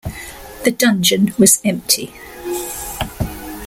The dungeon was empty.